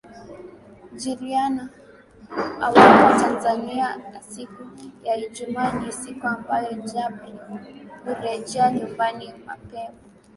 Jiliana awapo Tanzaniasiku ya ijumaa ni siku ambayo Jabir hurejea nyumbani mapema